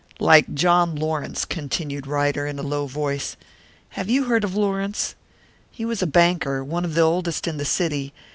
"Like John Lawrence," continued Ryder, in a low voice. "Have you heard of Lawrence? He was a banker one of the oldest in the city.